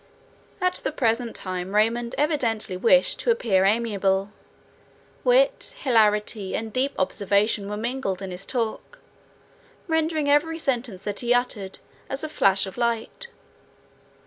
At the present time Raymond evidently wished to appear amiable. Wit, hilarity, and deep observation were mingled in his talk, rendering every sentence that he uttered as a flash of light.